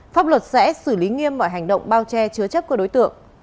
pháp luật sẽ xử lý nghiêm mọi hành động bao che chứa chấp của đối tượng